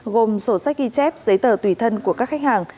gồm sổ sách ghi chép giấy tờ tùy thân của các khách hàng